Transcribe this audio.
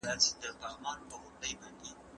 په کلیو کي باید روغتیایي مرکزونه تړلي پاته نه سي.